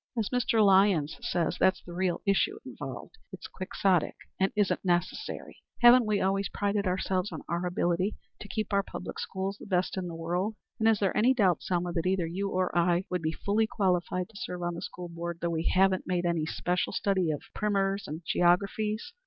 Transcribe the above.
As Mr. Lyons says, that's the real issue involved. It's quixotic and it isn't necessary. Haven't we always prided ourselves on our ability to keep our public schools the best in the world? And is there any doubt, Selma, that either you or I would be fully qualified to serve on the School Board though we haven't made any special study of primers and geographies?